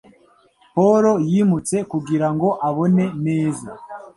Paul yimutse kugirango abone neza.